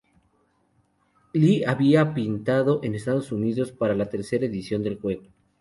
Lee había pintado en Estados Unidos para la tercera edición del juego.